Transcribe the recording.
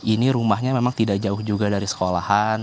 ini rumahnya memang tidak jauh juga dari sekolahan